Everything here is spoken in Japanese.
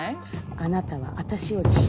あなたは私より下！